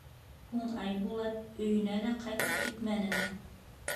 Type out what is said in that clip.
Һуң Айбулат өйөнә лә ҡайтып китмәнеме?